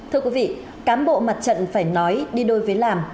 thưa quý vị cán bộ mặt trận phải nói đi đôi với làm